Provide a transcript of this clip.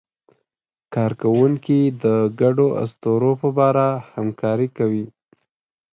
کارکوونکي د ګډو اسطورو په باور همکاري کوي.